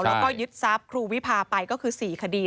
แล้วก็ยึดทรัพย์ครูวิพาไปก็คือ๔คดี